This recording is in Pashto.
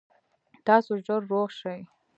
تاسو ژر روغ شئ